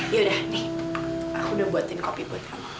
yaudah nih aku udah buatin kopi buat kamu